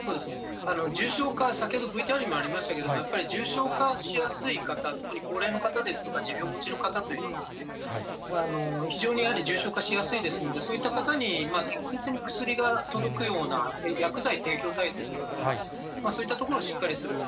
そうですね、重症化、先ほどＶＴＲにもありましたけれども、やっぱり重症化しやすい方、特に高齢の方ですとか、持病をお持ちの方というのは、非常に重症化しやすいですので、そういった方に適切に薬が届くような、薬剤提供体制といいますか、そういったところをしっかりする。